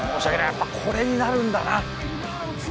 やっぱこれになるんだな。